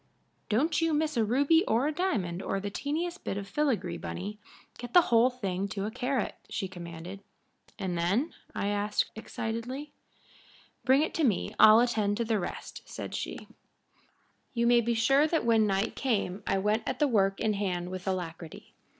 "Don't you miss a ruby or a diamond or the teeniest bit of filigree, Bunny. Get the whole thing to a carat," she commanded. "And then?" I asked, excitedly. "Bring it to me; I'll attend to the rest," said she. [Illustration: "IT WAS NOT ALWAYS EASY TO GET THE RIGHT LIGHT"] You may be sure that when night came I went at the work in hand with alacrity.